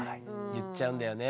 言っちゃうんだよね